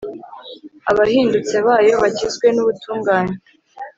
abahindutse bayo bakizwe n’ubutungane.